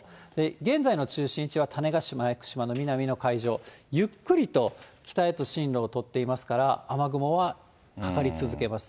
現在の中心位置は種子島・屋久島の南の海上、ゆっくりと北へと進路を取っていますから、雨雲はかかり続けます。